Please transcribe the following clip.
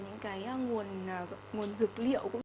những cái nguồn dực liệu